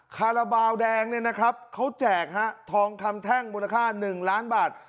คาราบาลแดงเนี่ยนะครับเขาแจกฮะทองคำแท่งมูลค่า๑ล้านบาท